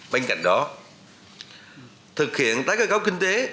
bên cạnh đó thực hiện tái cơ cấu kinh tế